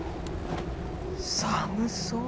寒そう。